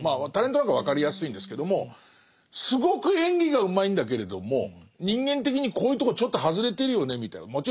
タレントなんか分かりやすいんですけどもすごく演技がうまいんだけれども人間的にこういうとこちょっと外れてるよねみたいなの。